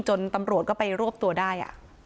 ตำรวจก็ไปรวบตัวได้